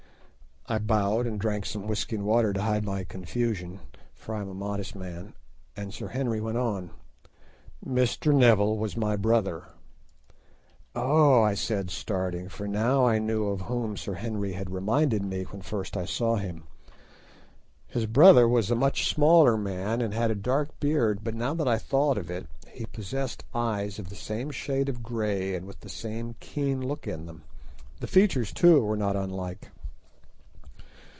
I bowed and drank some whisky and water to hide my confusion, for I am a modest man—and Sir Henry went on. "Mr. Neville was my brother." "Oh," I said, starting, for now I knew of whom Sir Henry had reminded me when first I saw him. His brother was a much smaller man and had a dark beard, but now that I thought of it, he possessed eyes of the same shade of grey and with the same keen look in them: the features too were not unlike.